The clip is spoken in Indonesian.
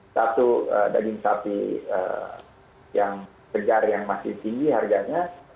satu daging sapi yang segar yang masih tinggi harganya